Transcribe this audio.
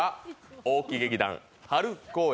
大木劇団春公演